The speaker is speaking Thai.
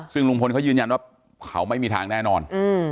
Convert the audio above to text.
ซึ่งลุงพลเขายืนยันว่าเขาไม่มีทางแน่นอน